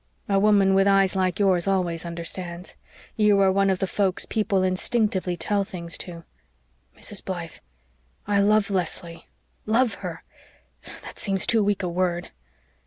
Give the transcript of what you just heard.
A woman with eyes like yours always understands. You are one of the folks people instinctively tell things to. Mrs. Blythe, I love Leslie. LOVE her! That seems too weak a word!"